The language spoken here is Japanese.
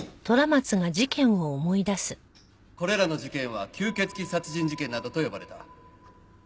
これらの事件は吸血鬼殺人事件などと呼ばれた。